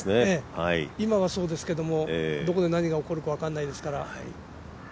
今はそうですけれども、どこで何が起こるか分からないですから。